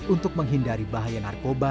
untuk menghindari bahaya narkoba